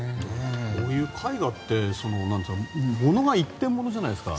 こういう絵画ってものが一点物じゃないですか。